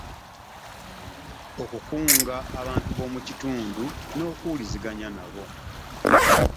Okukunga abantu b’omu kitundu n’okuwuliziganya nabo